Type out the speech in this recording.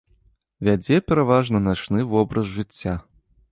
Вядзе пераважна начны вобраз жыцця.